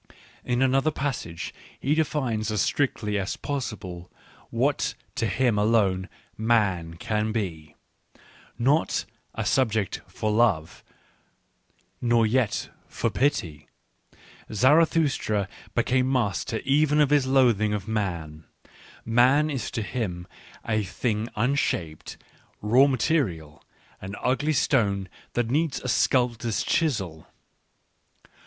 " In another passage he defines as strictly as possible what to him alone " man " can be, — not a subject for love nor yet for pity — Zarathustra became master even of his loathing of man : man is to him a thing unshaped, raw material, an ugly stone that needs the sculptor's chisel.